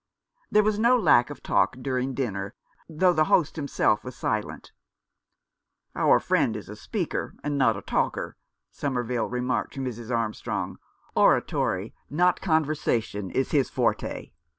There was no lack of talk during dinner, though the host himself was silent. " Our friend is a speaker, and not a talker," Somerville remarked to Mrs. Armstrong ;" oratory, not conversation, is his forte."